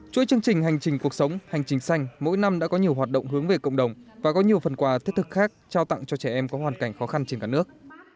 chuỗi chương trình hành trình cuộc sống hành trình xanh mỗi năm đã có nhiều hoạt động hướng về cộng đồng và có nhiều phần quà thiết thực khác trao tặng cho trẻ em có hoàn cảnh khó khăn trên cả nước